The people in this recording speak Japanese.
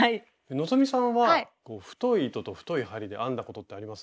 希さんは太い糸と太い針で編んだことってあります？